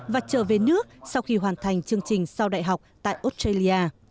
và trở về nước sau khi hoàn thành chương trình sau đại học tại australia